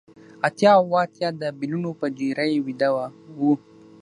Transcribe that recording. اتیا اوه اتیا د بیلونو په ډیرۍ ویده و